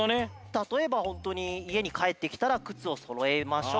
たとえばホントにいえにかえってきたらくつをそろえましょうとか。